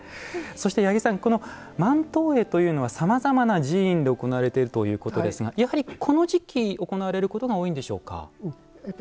八木さん、万灯会というのはさまざまな寺院で行われているということですがやはりこの時期、行われることが多いんでしょうか。